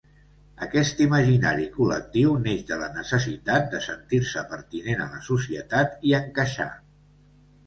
Aquest imaginari col·lectiu neix de la necessitat de sentir-se pertinent a la societat i encaixar.